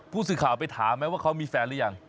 ผู้สื่อข่าวไปถามไหมว่าเขามีแฟนหรือยัง